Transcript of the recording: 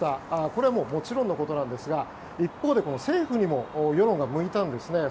これはもちろんのことなんですが一方で政府にも世論が向いたんですね。